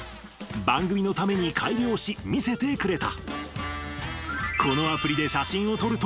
番組のために改良し、見せてくれた。